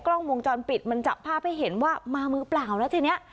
กล้องวงจรปิดมันจับภาพให้เห็นว่ามามือเปล่าแล้วทีเนี้ย